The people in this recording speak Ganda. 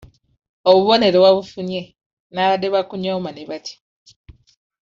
Obubonero wabufunye n'abaabadde bakunyooma ne batya.